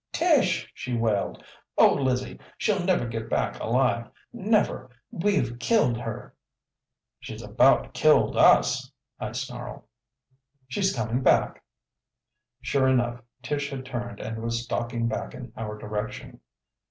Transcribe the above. Tish!" she wailed. "Oh, Lizzie, she'll never get back alive. Never! We've killed her." "She's about killed us!" I snarled. "She's coming back!" Sure enough, Tish had turned and was stalking back in our direction.